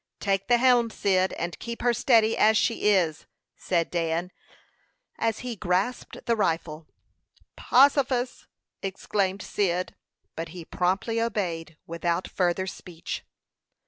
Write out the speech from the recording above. "Take the helm, Cyd, and keep her steady as she is!" said Dan, as he grasped the rifle. "Possifus!" exclaimed Cyd; but he promptly obeyed without further speech.